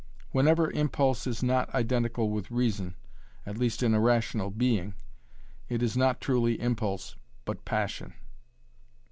Whenever impulse is not identical with reason at least in a rational being it is not truly impulse, but passion.